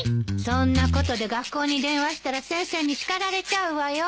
そんなことで学校に電話したら先生に叱られちゃうわよ。